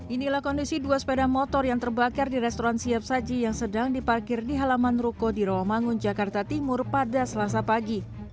inilah kondisi dua sepeda motor yang terbakar di restoran siap saji yang sedang diparkir di halaman ruko di rawamangun jakarta timur pada selasa pagi